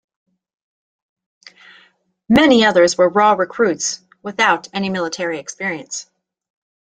Many other were raw recruits without any military experience.